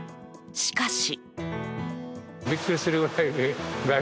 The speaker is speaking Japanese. しかし。